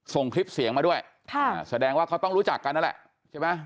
ส่งคลิปเสียงมาด้วยค่ะแสดงว่าเขาต้องรู้จักกันนั่นแหละใช่ไหม